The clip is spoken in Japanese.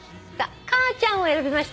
「かあちゃん」を選びました